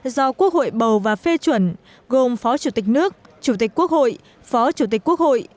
do quốc hội bầu và phê chuẩn gồm phó chủ tịch nước chủ tịch quốc hội phó chủ tịch quốc hội